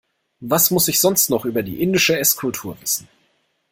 Was muss ich sonst noch über die indische Esskultur wissen?